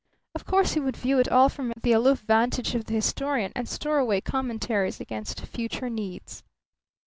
Of course he would view it all from the aloof vantage of the historian, and store away commentaries against future needs.